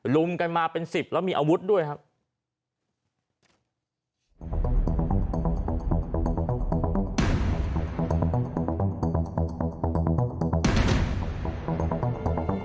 ลุมกันมาเป็น๑๐แล้วมีอาวุธด้วยครับ